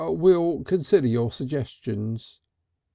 "We'll consider your suggestions."